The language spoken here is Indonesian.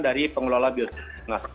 dari pengelola bioskop